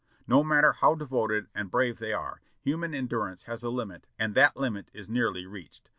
No matter how devoted and brave they are, human endur ance has a hmit and that limit is nearly reached.